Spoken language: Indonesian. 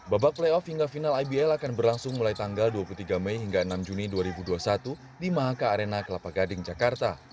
babak playoff hingga final ibl akan berlangsung mulai tanggal dua puluh tiga mei hingga enam juni dua ribu dua puluh satu di mahaka arena kelapa gading jakarta